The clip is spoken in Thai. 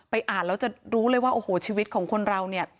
อ่านแล้วจะรู้เลยว่าโอ้โหชีวิตของคนเราเนี่ย